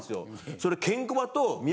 それ。